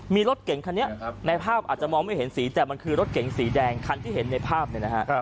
มีรถเก่งคันนี้ในภาพอาจจะมองไม่เห็นสีแต่มันคือรถเก๋งสีแดงคันที่เห็นในภาพเนี่ยนะฮะ